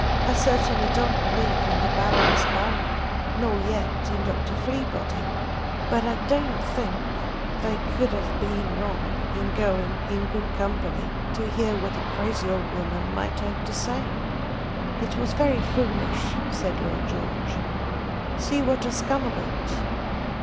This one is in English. I certainly don't believe in the Baroness Banmann, nor yet in Dr. Fleabody; but I don't think they could have been wrong in going in good company to hear what a crazy old woman might have to say." "It was very foolish," said Lord George. "See what has come of it!"